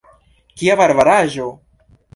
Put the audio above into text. Kia barbaraĵo!